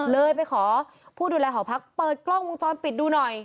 เลยไปขอผู้ดูแลหอพักเปิดกล้องวงจรปิดดูหน่อย